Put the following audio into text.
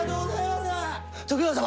徳川様！